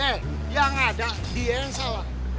hei yang ada dia yang salah